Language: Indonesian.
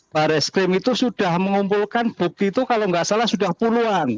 baris krim itu sudah mengumpulkan bukti itu kalau nggak salah sudah puluhan